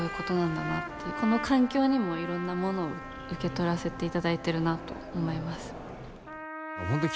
この環境にもいろんなものを受け取らせていただいてるなと思います。